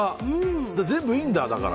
全部いいんだ、だから。